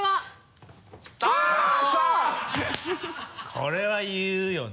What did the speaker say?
これは言うよね。